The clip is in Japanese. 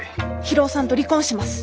博夫さんと離婚します。